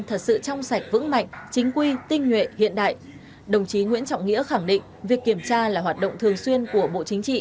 thật sự trong sạch vững mạnh chính quy tinh nguyện hiện đại đồng chí nguyễn trọng nghĩa khẳng định việc kiểm tra là hoạt động thường xuyên của bộ chính trị